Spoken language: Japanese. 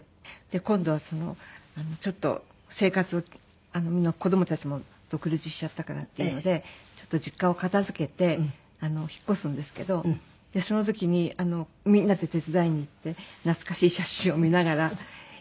今度はちょっと生活をみんな子どもたちも独立しちゃったからっていうのでちょっと実家を片付けて引っ越すんですけどその時にみんなで手伝いに行って懐かしい写真を見ながら。